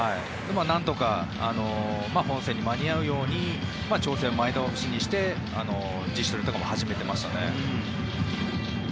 なんとか本戦に間に合うように調整を前倒しにして自主トレとかも始めてましたね。